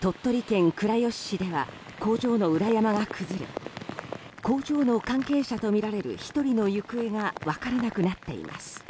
鳥取県倉吉市では工場の裏山が崩れ工場の関係者とみられる１人の行方が分からなくなっています。